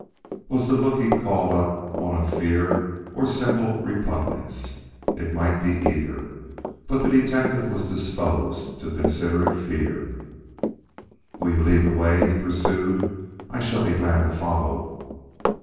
Was the look this called up one of fear or of simple repugnance? It might be either; but the detective was disposed to consider it fear. "Will you lead the way?" he pursued. "I shall be glad to follow."